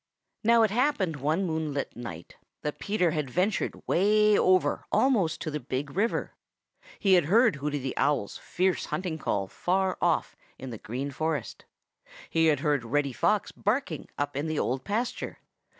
Now it happened one moonlight night that Peter had ventured way over almost to the Big River. He had heard Hooty the Owl's fierce hunting call far off in the Green Forest. He had heard Reddy Fox barking up in the Old Pasture.